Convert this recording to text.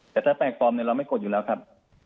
แต่ถ้าแปลงฟอร์มเราไม่กดอยู่แล้วครับ